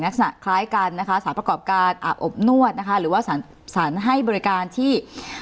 ลักษณะคล้ายกันนะคะสารประกอบการอาบอบนวดนะคะหรือว่าสารให้บริการที่